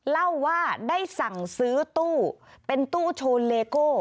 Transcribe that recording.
เล่าว่าได้สั่งซื้อตู้เป็นตู้โชว์เลโก้